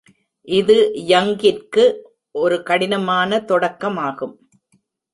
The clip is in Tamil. இது யங்கிற்கு ஒரு கடினமான தொடக்கமாகும்.